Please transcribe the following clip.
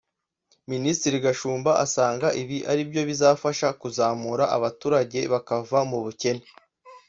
Minisitiri Gashumba asanga ibi aribyo bizafasha kuzamura abaturage bakava mu bukene